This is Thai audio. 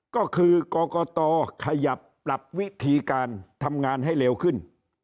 ก็คือกรกตขยับปรับวิธีการทำงานให้เร็วขึ้น